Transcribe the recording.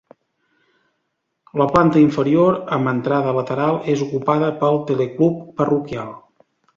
La planta inferior, amb entrada lateral, és ocupada pel Teleclub parroquial.